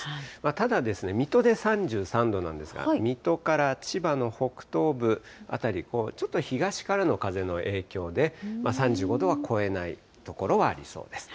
ただですね、水戸で３３度なんですが、水戸から千葉の北東部辺り、ちょっと東からの風の影響で、３５度は超えない所はありそうです。